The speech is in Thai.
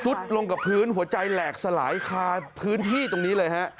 ลงกับพื้นหัวใจแหลกสลายคาพื้นที่ตรงนี้เลยฮะ